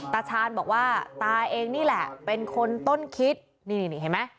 ตาชาญบอกว่าตาเองนี่แหละเป็นคนต้นคิดนี่นี่เห็นไหม